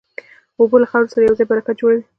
اوبه له خاورې سره یوځای برکت جوړوي.